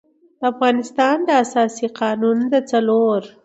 د افغانستان د اساسي قـانون د څلور